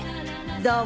どうも。